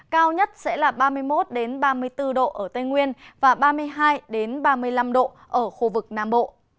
cao nhất sẽ là ba mươi một ba mươi bốn độ ở tây nguyên và ba mươi hai ba mươi năm độ ở khu vực nam bộ